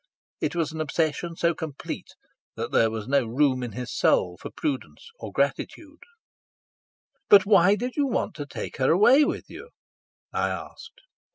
It was an obsession so complete that there was no room in his soul for prudence or gratitude. "But why did you want to take her away with you?" I asked.